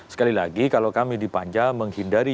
sekali lagi kalau kami di panja menghindari